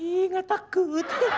ih nggak takut